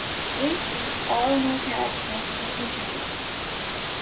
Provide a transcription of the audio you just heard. Instead, all new characters were introduced.